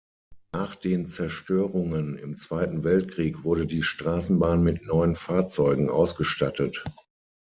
Nach den Zerstörungen im Zweiten Weltkrieg wurde die Straßenbahn mit neuen Fahrzeugen ausgestattet.